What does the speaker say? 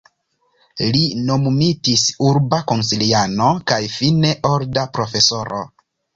Li nomumitis urba konsiliano kaj fine orda profesoro.